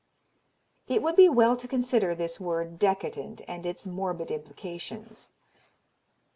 It would be well to consider this word "decadent" and its morbid implications.